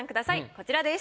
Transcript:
こちらです。